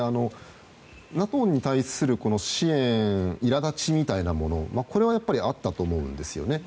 ＮＡＴＯに対する支援いら立ちのようなものはこれはやっぱりあったと思うんですよね。